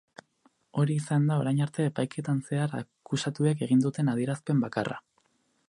Hori izan da orain arte epaiketan zehar akusatuek egin duten adierazpen bakarra.